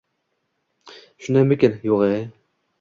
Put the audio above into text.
Shundaymikin?!.. Yo’g’-ye…